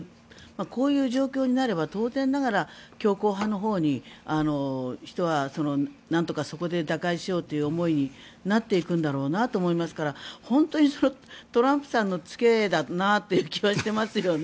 そういう状況になれば当然ながら強硬派のほうに人はなんとかそこで打開しようという思いになっていくんだろうなと思いますから本当にトランプさんの付けだなという気はしますよね。